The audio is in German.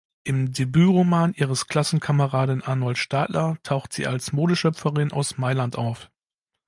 Im Debütroman ihres Klassenkameraden Arnold Stadler taucht sie als Modeschöpferin aus Mailand auf.